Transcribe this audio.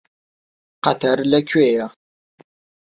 قەتەر لەکوێیە؟